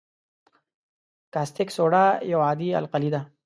کاستک سوډا یو عادي القلي ده.